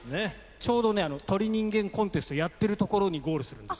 ちょうどね、鳥人間コンテスト、やってるところにゴールするんです。